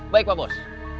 baik pak bos